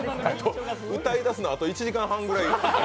歌い出すのはあと１時間半ぐらい後。